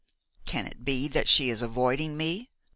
"Can it be that she is avoiding me?"